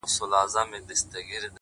ستا خړي سترگي او ښايسته مخ دي”